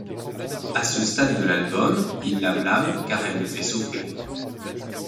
À ce stade de l'album, il la blâme car elle le fait souffrir.